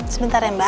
sebentar ya mbak